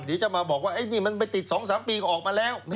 เดี๋ยวจะมาบอกว่านี่มันไปติด๒๓ปีก็ออกมาแล้ว